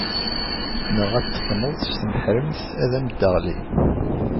Neɣ ad t-teqqneḍ s tmeḥremt ad am-d-teɣli.